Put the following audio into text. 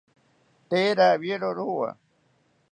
Tee rawiero rowa